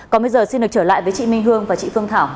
còn bây giờ xin được trở lại với chị minh hương và chị phương thảo